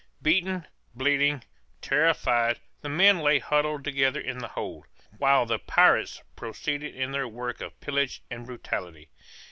Beaten, bleeding, terrified, the men lay huddled together in the hold, while the pirates proceeded in their work of pillage and brutality.